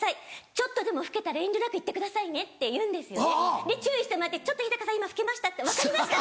ちょっとでも老けたら遠慮なく言ってくださいね」って言うんですよねで注意してもらって「ちょっと日さん今老けました」